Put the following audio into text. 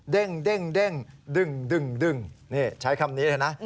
เด้งดึงนี่ใช้คำนี้เลยนะ